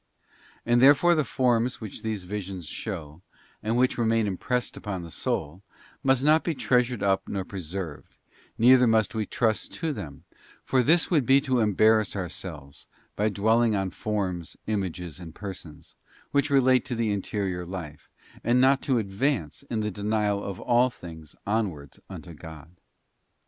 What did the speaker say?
And therefore the forms which these visions show, and which remain impressed on the soul, must not be treasured up nor preserved, neither must we trust to them; for this would be to embarrass ourselves by dwelling on forms, images, and persons, which relate to the interior life, and not to advance in the denial of all things onwards unto God.